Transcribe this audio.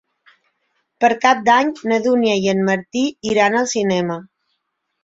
Per Cap d'Any na Dúnia i en Martí iran al cinema.